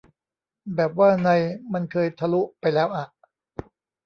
แบบว่าใน มันเคยทะลุ ไปแล้วอะ